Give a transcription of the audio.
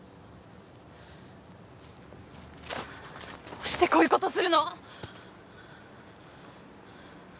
どうしてこういうことするの？